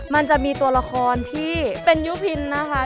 มันจะมีตัวละครที่เป็นยุพินนะคะ